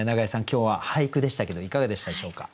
今日は俳句でしたけどいかがでしたでしょうか？